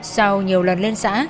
sau nhiều lần lên xã